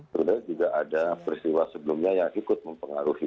sebenarnya juga ada peristiwa sebelumnya yang ikut mempengaruhi